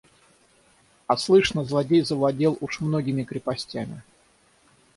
– А слышно, злодей завладел уж многими крепостями.